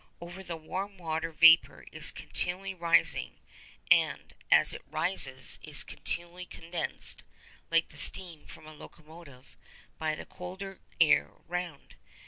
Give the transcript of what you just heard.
Over the warm water vapour is continually rising; and, as it rises, is continually condensed (like the steam from a locomotive) by the colder air round.